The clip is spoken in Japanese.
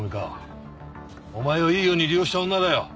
お前をいいように利用した女だよ。